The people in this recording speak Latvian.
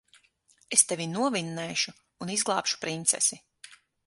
Es tevi novinnēšu un izglābšu princesi.